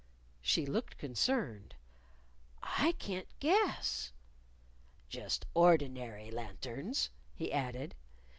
She looked concerned. "I can't guess." "Just ordinary lanterns," he added.